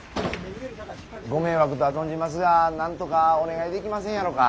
ご迷惑とは存じますがなんとかお願いできませんやろか。